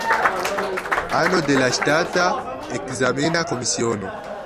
Ano de la ŝtata ekzamena komisiono.